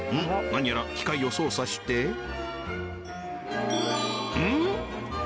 何やら機械を操作してうん？